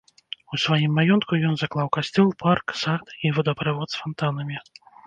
У сваім маёнтку ён заклаў касцёл, парк, сад і водаправод з фантанамі.